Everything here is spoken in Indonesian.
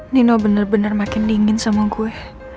nino bener bener makin dingin sama gue